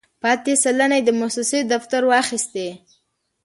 پاتې سلنه یې د موسسې دفتر واخیستې.